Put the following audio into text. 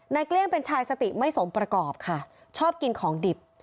เกลี้ยงเป็นชายสติไม่สมประกอบค่ะชอบกินของดิบ